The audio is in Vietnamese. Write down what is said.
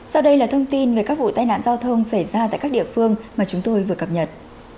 sau đây là thông tin về các vụ tai nạn giao thông xảy ra tại các địa phương mà chúng tôi vừa cập nhật